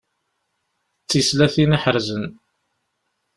D tislatin iḥerzen.